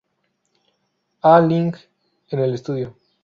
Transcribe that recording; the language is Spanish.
A-ling en el estudio.